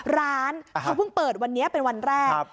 ร้านเขาเพิ่งเปิดวันนี้เป็นวันแรก